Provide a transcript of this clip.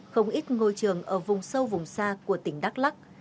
không ít ngôi trường ở vùng sâu vùng xa của tỉnh đắk lắc